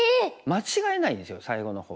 間違えないんですよ最後のほう。